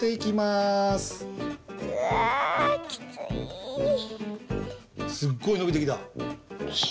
すっごいのびてきた。